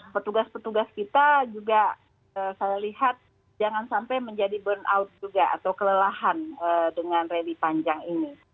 petugas petugas kita juga saya lihat jangan sampai menjadi burnout juga atau kelelahan dengan rally panjang ini